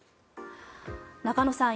中野さん